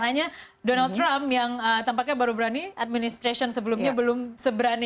hanya donald trump yang tampaknya baru berani administration sebelumnya belum seberani